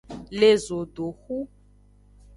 Le zodoxu.